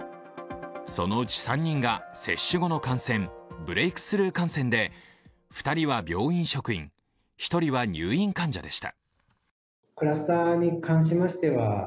そのうち３人が接種後の感染ブレークスルー感染で２人は病院職員、１人は入院患者でした。